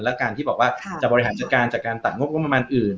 และการที่บอกว่าจะบริหารจัดการจากการตัดงบประมาณอื่น